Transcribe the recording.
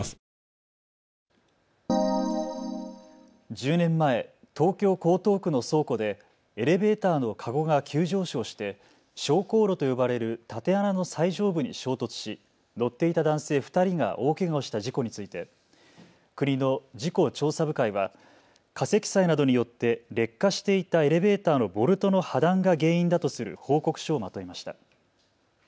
１０年前、東京江東区の倉庫でエレベーターのかごが急上昇して昇降路と呼ばれる縦穴の最上部に衝突し乗っていた男性２人が大けがをした事故について国の事故調査部会は過積載などによって劣化していたエレベーターのボルトの破断が原因だとする報告書をまとめました。